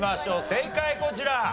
正解こちら。